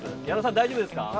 矢野さん、大丈夫ですか？